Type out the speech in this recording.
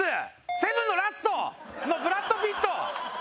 『セブン』のラストのブラッド・ピット！